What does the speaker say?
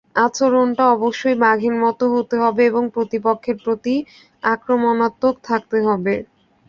আচরণটা অবশ্যই বাঘের মতো হতে হবে এবং প্রতিপক্ষের প্রতি-আক্রমণাত্মক থাকতে হবে।